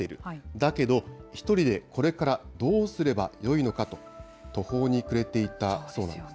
だけど１人でこれからどうすればよいのかと、途方に暮れていたそうなんです。